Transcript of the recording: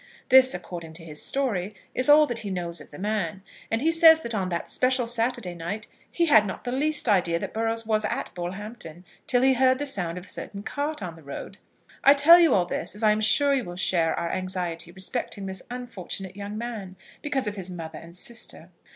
This, according to his story, is all that he knows of the man; and he says that on that special Saturday night he had not the least idea that Burrows was at Bullhampton, till he heard the sound of a certain cart on the road. I tell you all this, as I am sure you will share our anxiety respecting this unfortunate young man, because of his mother and sister.